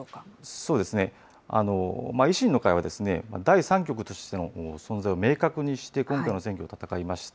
そうですね、維新の会は第３極としての存在を明確にして、今回の選挙を戦いました。